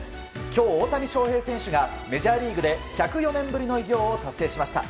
今日、大谷翔平選手がメジャーリーグで１０４年ぶりの偉業を達成しました。